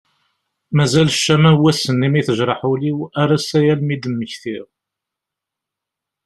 Mazal ccama n wass-nni mi tejreḥ ul-iw ar ass-a yal mi ad d-mmektiɣ.